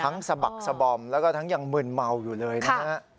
ทั้งสบักสบอมแล้วก็ทั้งยังเมื่อนเมาอยู่เลยนะ